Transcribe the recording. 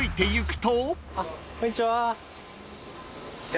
こんにちは。